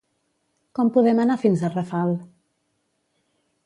Com podem anar fins a Rafal?